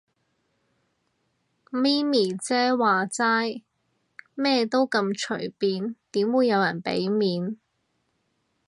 咪咪姐話齋，咩都咁隨便，點會有人俾面